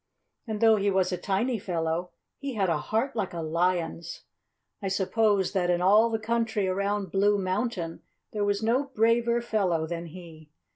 And though he was a tiny fellow he had a heart like a lion's. I suppose that in all the country around Blue Mountain there was no braver fellow than he.